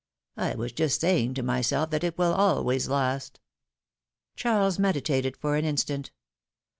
I was just saying to myself that it will always last." diaries meditated for an instant.